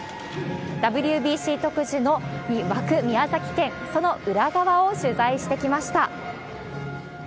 ＷＢＣ特需に沸く宮崎県、その裏側を取材してきました。